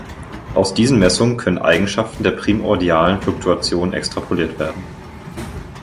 Aus diesen Messungen können Eigenschaften der primordialen Fluktuationen extrapoliert werden.